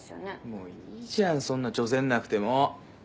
もういいじゃんそんなチョゼんなくても。